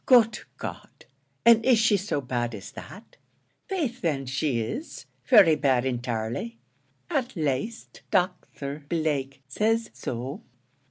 "Good God! and is she so bad as that?" "Faith then, she is, very bad intirely; at laste, Docther Blake says so."